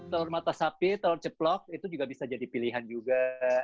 telur mata sapi telur ceplok itu juga bisa jadi pilihan juga